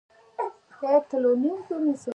موږ فکر کوو چې دردونه شریک کړو